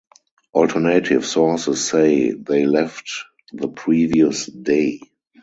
Alternative sources say they left the previous day.